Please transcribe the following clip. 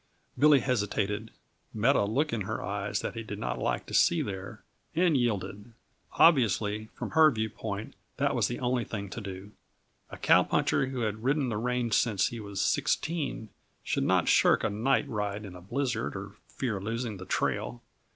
Billy hesitated, met a look in her eyes that he did not like to see there, and yielded. Obviously, from her viewpoint that was the only thing to do. A cowpuncher who has ridden the range since he was sixteen should not shirk a night ride in a blizzard, or fear losing the trail.